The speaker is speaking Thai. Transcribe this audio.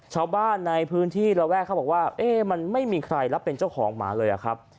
ชาวบ้านในพื้นที่ระแวกมันไม่มีใครรับเป็นเจ้าของหมาเลยอะครับ